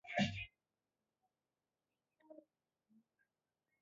Vijana watu ni wengi kushinda wao